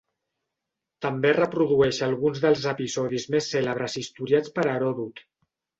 També reprodueix alguns dels episodis més cèlebres historiats per Heròdot.